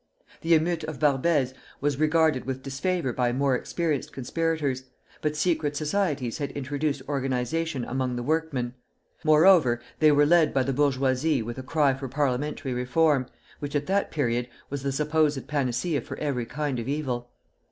The émeute of Barbès was regarded with disfavor by more experienced conspirators, but secret societies had introduced organization among the workmen. Moreover, they were led by the bourgeoisie with a cry for parliamentary reform, which at that period was the supposed panacea for every kind of evil.